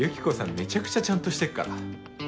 めちゃくちゃちゃんとしてっから。